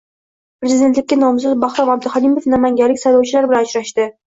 Prezidentlikka nomzod Bahrom Abduhalimov namanganlik saylovchilar bilan uchrashdi